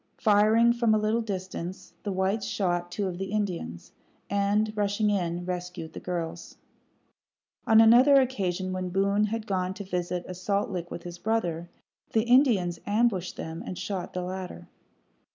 Firing from a little distance, the whites shot two of the Indians, and, rushing in, rescued the girls. On another occasion, when Boone had gone to visit a salt lick with his brother, the Indians ambushed them and shot the latter.